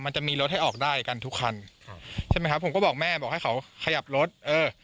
มันจะมีรถให้ออกได้กันทุกคันครับใช่ไหมครับผมก็บอกแม่บอกให้เขาขยับรถเออ